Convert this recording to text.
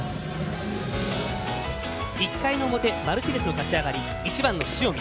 １回の表、マルティネスの立ち上がり、１番の塩見。